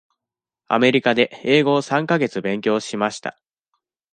アメリカで英語を三か月勉強しました。